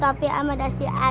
tapi ama dasya aja gak punya